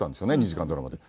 ２時間ドラマで。